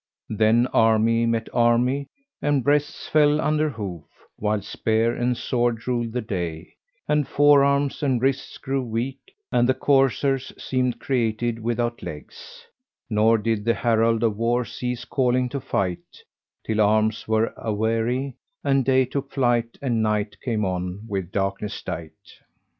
Then army met army and breasts fell under hoof, whilst spear and sword ruled the day and forearms and wrists grew weak and the coursers seemed created without legs;[FN#395] nor did the herald of war cease calling to fight, till arms were aweary and day took flight and night came on with darkness dight.